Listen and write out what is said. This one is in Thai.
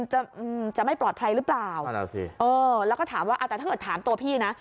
จะจะไม่ปลอดภัยหรือเปล่าเออแล้วก็ถามว่าแต่ถ้าเธอถามตัวพี่นะ